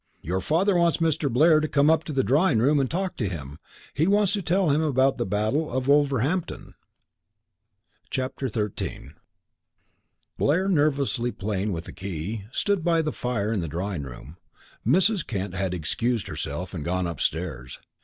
"Your father wants Mr. Blair to come up to the drawing room and talk to him. He wants to tell him about the Battle of Wolverhampton." XIII Blair, nervously playing with a key, stood by the fire in the drawing room. Mrs. Kent had excused herself and gone upstairs.